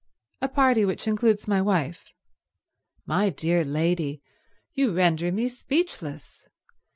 A party which includes my wife? My dear lady, you render me speechless.